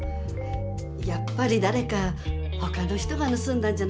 やっぱりだれかほかの人がぬすんだんじゃないですか？